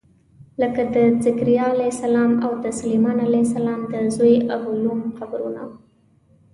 لکه د ذکریا علیه السلام او د سلیمان علیه السلام د زوی ابولوم قبرونه.